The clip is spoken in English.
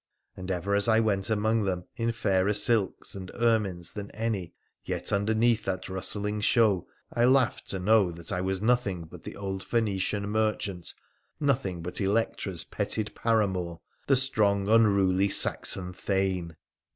And ever as I went among them in fairer silks and ermines than any, yet underneath that rustling show I laughed to know that I was nothing but the old Phoenician merchant, nothing but Electra's petted paramour, the strong, unruly Saxon Thane